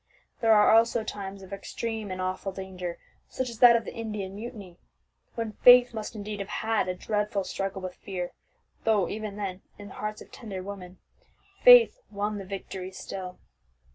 There are also times of extreme and awful danger, such as that of the Indian Mutiny, when faith must indeed have had a dread struggle with fear; though even then, in the hearts of tender women, faith won the victory still.